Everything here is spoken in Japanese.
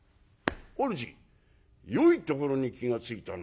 「主よいところに気が付いたな。